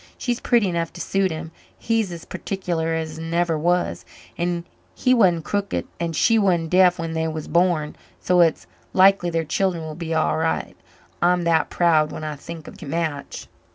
She's pretty enough to suit him he's as particular as never was and he wan't crooked and she wan't deaf when they was born, so it's likely their children will be all right. I'm that proud when I think of the match."